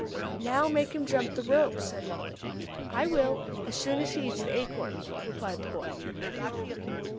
"Now make him jump the rope," said Mollie. "I will, as soon as he eats the acorns," replied the boy.